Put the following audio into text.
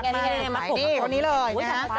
นี่คนนี้เลย